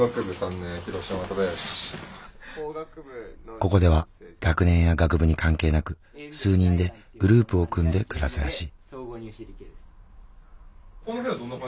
ここでは学年や学部に関係なく数人でグループを組んで暮らすらしい。